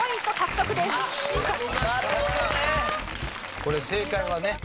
これ正解はね。